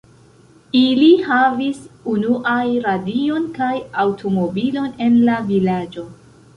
Ili havis unuaj radion kaj aŭtomobilon en la vilaĝo.